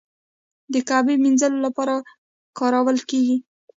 د کعبې مینځلو لپاره کارول کیږي.